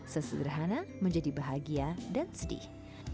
sesederhana menjadi bahagia dan sedih